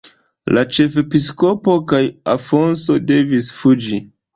La ĉefepiskopo kaj Afonso devis fuĝi.